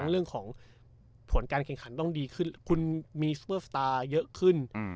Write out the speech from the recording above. ทั้งเรื่องของผลการแข่งขันต้องดีขึ้นคุณมีเยอะขึ้นอืม